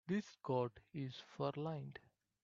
This coat is fur-lined.